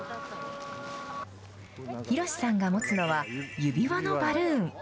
啓之さんが持つのは指輪のバルーン。